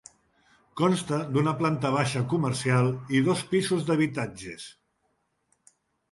Consta d'una planta baixa comercial i dos pisos d'habitatges.